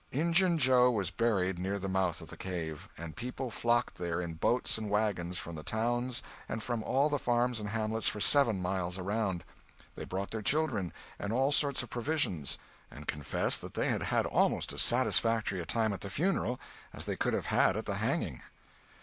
Injun Joe was buried near the mouth of the cave; and people flocked there in boats and wagons from the towns and from all the farms and hamlets for seven miles around; they brought their children, and all sorts of provisions, and confessed that they had had almost as satisfactory a time at the funeral as they could have had at the hanging.